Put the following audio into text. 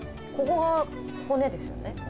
ここが骨ですよね。